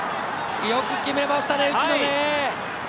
よく決めましたね、内野。